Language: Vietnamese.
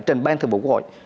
trên ban thượng bộ quốc hội